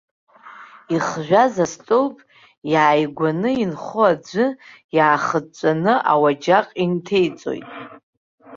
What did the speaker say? Ихжәаз астолб, иааигәаны инхо аӡәы, иаахыҵәҵәаны ауаџьаҟ инҭеиҵоит.